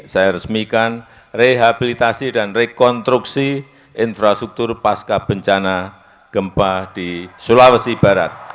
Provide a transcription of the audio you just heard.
saya resmikan rehabilitasi dan rekonstruksi infrastruktur pasca bencana gempa di sulawesi barat